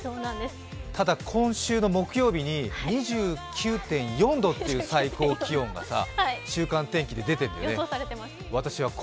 ただ今週の木曜日に２９．４度っていう最高気温が、週間天気で出てるんだよね。